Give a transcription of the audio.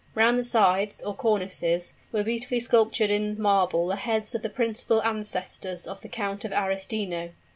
Round the sides, or cornices, were beautifully sculptured in marble the heads of the principal ancestors of the Count of Arestino.